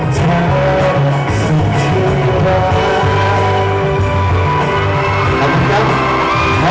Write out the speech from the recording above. ขอบคุณทุกเรื่องราว